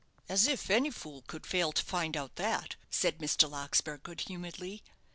"As if any fool could fail to find out that," said Mr. Larkspur good humouredly.